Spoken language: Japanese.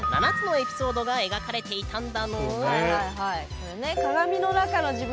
これね。